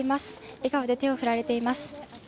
笑顔で手を振られています。